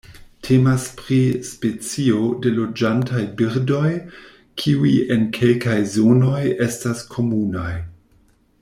Temas pri specio de loĝantaj birdoj, kiuj en kelkaj zonoj estas komunaj.